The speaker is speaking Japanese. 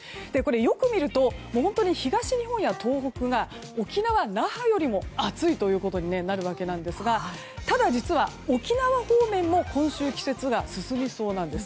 よく見ると、東日本や東北が沖縄・那覇よりも暑いということになるわけなんですがただ実は、沖縄方面も今週、季節が進みそうなんです。